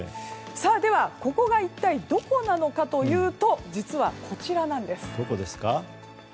では、ここは一体どこなのかというと実は、こちらなんです。